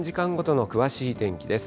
では３時間ごとの詳しい天気です。